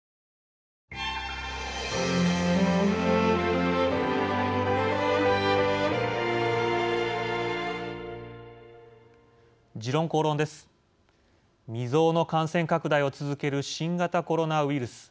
未曽有の感染拡大を続ける新型コロナウイルス。